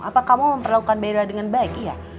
apa kamu memperlakukan beda dengan baik iya